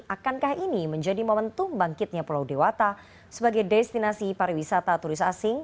akankah ini menjadi momentum bangkitnya pulau dewata sebagai destinasi pariwisata turis asing